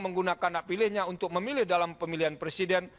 menggunakan hak pilihnya untuk memilih dalam pemilihan presiden